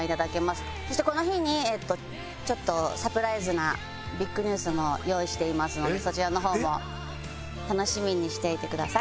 そしてこの日にちょっとサプライズなビッグニュースも用意していますのでそちらの方も楽しみにしていてください。